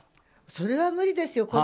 それは無理ですよ。